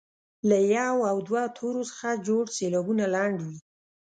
له یو او دوو تورو څخه جوړ سېلابونه لنډ وي.